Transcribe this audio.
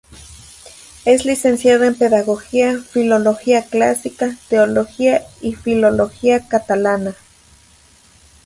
Es licenciado en pedagogía, filología clásica, teología y filología catalana.